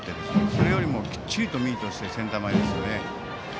それよりもきっちりとミートしてセンター前ですよね。